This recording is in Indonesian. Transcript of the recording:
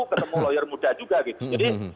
ketemu lawyer muda juga gitu jadi